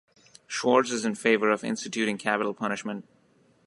Schwartz is in favor of instituting capital punishment.